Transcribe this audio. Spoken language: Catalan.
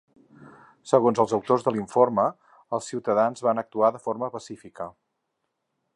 Segons els autors de l’informe, els ciutadans van actuar de forma pacífica.